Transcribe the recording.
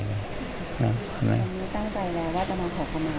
ตอนนี้ตั้งใจแล้วว่าจะมาขอคำมา